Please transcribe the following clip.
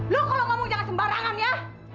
loh kalau ngomong jangan sembarangan ya